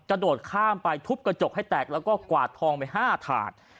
โดดข้ามไปทุบกระจกให้แตกแล้วก็กวาดทองไป๕ถาด